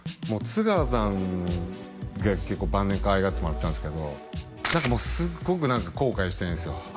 もう津川さんが結構晩年かわいがってもらったんすけど何かもうすっごく後悔してんですよ